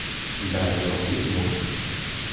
Mbeɛd iṛuḥ si tmurt.